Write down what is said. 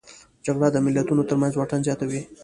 جګړه د ملتونو ترمنځ واټن زیاتوي